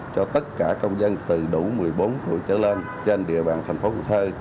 cho tất cả công dân từ đủ một mươi bốn tuổi trở lên trên địa bàn tp cần thơ